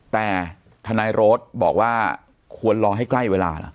แต่ทนายโรธบอกว่าควรรอให้ใกล้เวลาเหรอ